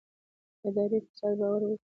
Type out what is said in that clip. اداري فساد باور وژني